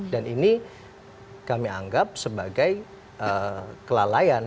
dan ini kami anggap sebagai kelalaian